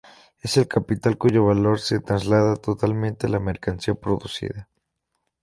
Es el capital cuyo valor se traslada totalmente a la mercancía producida.